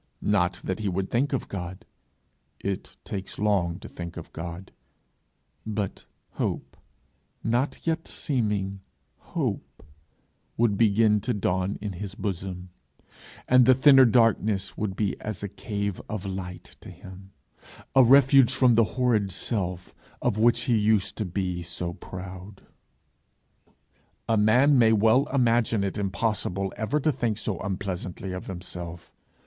Not that he would think of God! it takes long to think of God; but hope, not yet seeming hope, would begin to dawn in his bosom, and the thinner darkness would be as a cave of light, a refuge from the horrid self of which he used to be so proud. A man may well imagine it impossible ever to think so unpleasantly of himself!